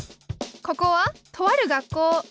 ここはとある学校。